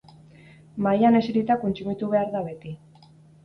Mahaian eserita kontsumitu behar da beti.